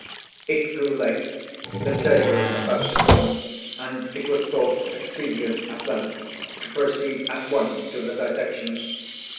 It grew late. The day was about to dawn; and it was thought expedient, at length, to proceed at once to the dissection.